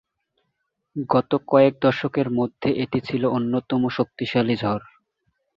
গত কয়েক দশকের মধ্যে এটি ছিল অন্যতম শক্তিশালী ঝড়।